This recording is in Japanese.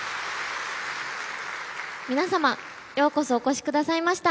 皆様ようこそお越し下さいました。